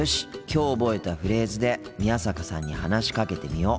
きょう覚えたフレーズで宮坂さんに話しかけてみよう。